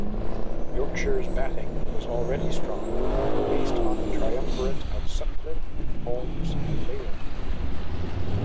Yorkshire's batting was already strong, based on the triumvirate of Sutcliffe, Holmes and Leyland.